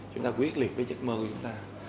chúng ta quyết liệt với giấc mơ của chúng ta